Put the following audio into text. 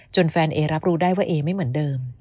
แฟนเอรับรู้ได้ว่าเอไม่เหมือนเดิม